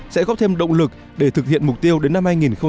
sẽ góp thêm động lực để thực hiện mục tiêu đến năm hai nghìn hai mươi